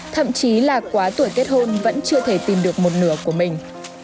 thậm chí là quá tuổi kết hôn vẫn chưa thể tìm được một nửa của mình